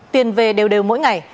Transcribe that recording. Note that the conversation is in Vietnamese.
tiền về đều đều mỗi ngày